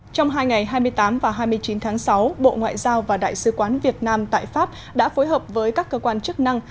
trong hai ngày hai mươi tám và hai mươi chín tháng sáu bộ ngoại giao và đại sứ quán việt nam tại pháp đã phối hợp với các cơ quan chức năng